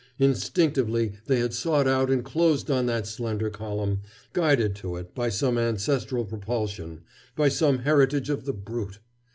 Instinctively they had sought out and closed on that slender column, guided to it by some ancestral propulsion, by some heritage of the brute.